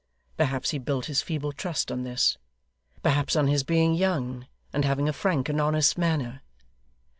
Perhaps he built his feeble trust on this; perhaps on his being young, and having a frank and honest manner.